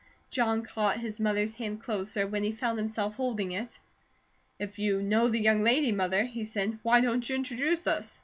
John caught his mother's hand closer, when he found himself holding it. "If you know the young lady, Mother," he said, "why don't you introduce us?"